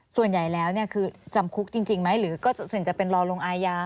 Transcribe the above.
ส่วนใหญ่แล้วคือจำคุกจริงไหมหรือก็ส่วนจะเป็นรอลงอาญา